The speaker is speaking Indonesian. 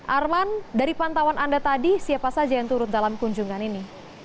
arman dari pantauan anda tadi siapa saja yang turut dalam kunjungan ini